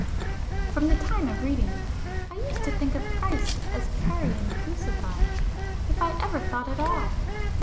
From the time of reading this, I used to think of Christ as 'carrion crucified';—if I ever thought at all.